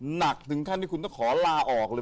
หนักถึงขั้นที่คุณต้องขอลาออกเลย